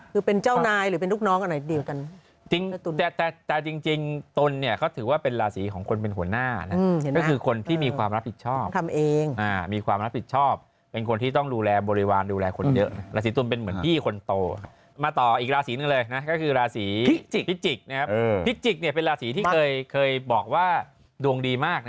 ค่ำวอร์ดเขาเป็นคนที่ค่ำวอร์ดอยู่ในแล้วก็มีข้อมูลอินไซต์บางอย่างน่ะ